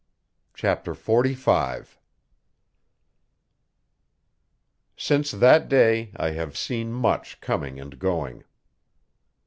Chapter 45 Since that day I have seen much coming and going.